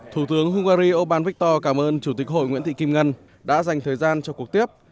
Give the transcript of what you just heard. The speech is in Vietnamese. thủ tướng hungary orban victor cảm ơn chủ tịch hội nguyễn thị kim ngân đã dành thời gian cho cuộc tiếp